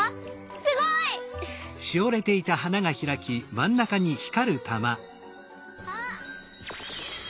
すごい！あっ！